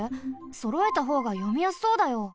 そろえたほうがよみやすそうだよ。